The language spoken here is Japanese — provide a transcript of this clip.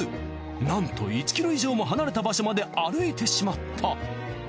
なんと１ｋｍ以上も離れた場所まで歩いてしまった。